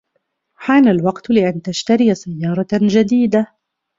حان الوقت لأن تشتري سيارة جديدة.